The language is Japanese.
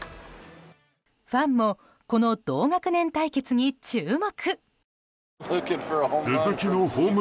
ファンもこの同学年対決に注目。